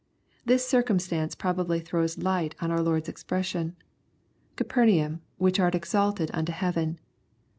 This circumstance probably throws light on our Lord's expression, ^' Capernaum, which ait exalted unto heaven."